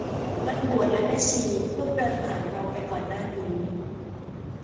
นักบวชและแม่ชีเพิ่งเดินผ่านเราไปก่อนหน้านี้